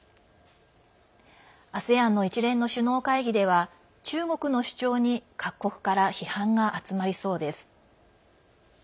ＡＳＥＡＮの一連の首脳会議では中国の主張に各国から批判が集まりそうです。